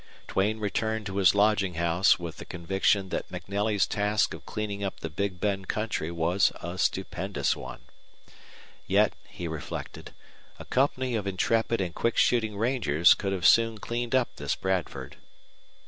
Duane returned to his lodging house with the conviction that MacNelly's task of cleaning up the Big Bend country was a stupendous one. Yet, he reflected, a company of intrepid and quick shooting rangers could have soon cleaned up this Bradford.